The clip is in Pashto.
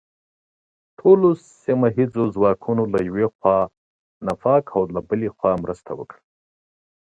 ټول سیمه ییز ځواکونه له یو اړخه او نفاق له بل اړخه مرسته وکړه.